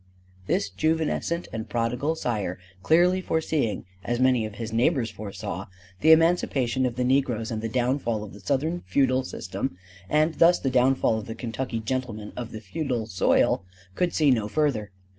This juvenescent and prodigal sire clearly foreseeing, as many of his neighbors foresaw, the emancipation of the negroes and the downfall of the Southern feudal system and thus the downfall of the Kentucky gentleman of the feudal soil, could see no further.